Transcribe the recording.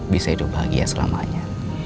bisa hidup bahagia selamanya